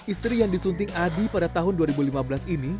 istri yang disunting adi pada tahun dua ribu lima belas ini